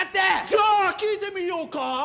じゃあ聞いてみようか！